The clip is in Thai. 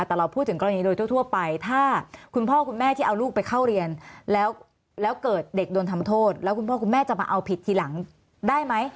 แต่เราพูดถึงกรณีโดยทั่วไปถ้าคุณพ่อคุณแม่ที่เอาลูกไปเข้าเรียนแล้วเกิดเด็กโดนทำโทษแล้วคุณพ่อคุณแม่จะมาเอาผิดทีหลังได้ไหม